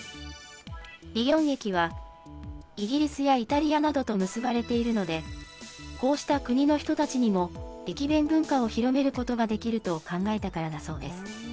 リヨン駅は、イギリスやイタリアなどと結ばれているので、こうした国の人たちにも駅弁文化を広めることができると考えたからだそうです。